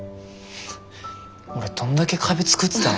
俺どんだけ壁作ってたの。